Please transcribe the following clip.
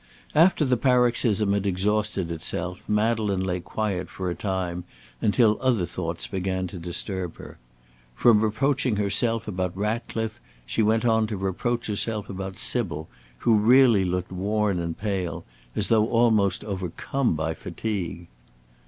After the paroxysm had exhausted itself Madeleine lay quiet for a time, until other thoughts began to disturb her. From reproaching herself about Ratcliffe she went on to reproach herself about Sybil, who really looked worn and pale, as though almost overcome by fatigue.